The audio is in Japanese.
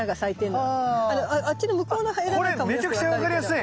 あっこれめちゃくちゃ分かりやすい。